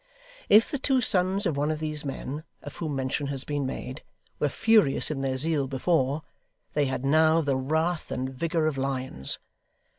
If the two sons of one of these men, of whom mention has been made, were furious in their zeal before, they had now the wrath and vigour of lions.